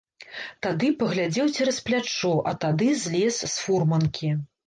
Тады паглядзеў цераз плячо, а тады злез з фурманкі.